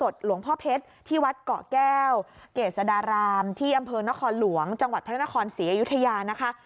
ที่อำเภอนครหลวงจังหวัดพระนครศรีอยุธยานะคะ